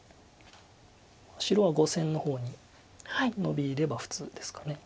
白は５線の方にノビれば普通ですか。